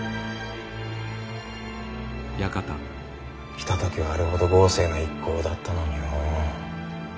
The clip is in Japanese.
来た時はあれほど豪勢な一行だったのにのう。